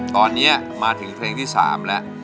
ตอนนี้มาถึงเพลงที่๓แล้ว